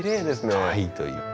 かわいいという。